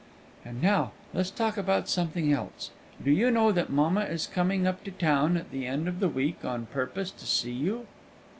"And now, let's talk about something else. Do you know that mamma is coming up to town at the end of the week on purpose to see you?"